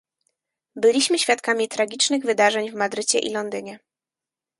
Byliśmy świadkami tragicznych wydarzeń w Madrycie i Londynie